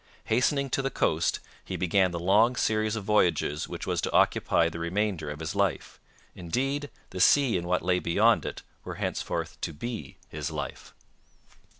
Hastening to the coast, he began the long series of voyages which was to occupy the remainder of his life. Indeed, the sea and what lay beyond it were henceforth to be his life.